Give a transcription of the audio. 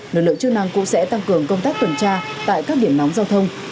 lực lượng chức năng cũng sẽ tăng cường công tác tuần tra tại các điểm nóng giao thông